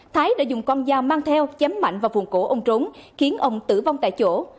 thái đã dùng con dao mang theo chém mạnh vào vùng cổ ông trốn khiến ông tử vong tại chỗ